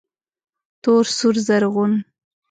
تور، سور، رزغون